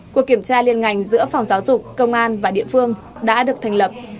cuộc kiểm tra liên ngành giữa phòng giáo dục công an và địa phương đã được thành lập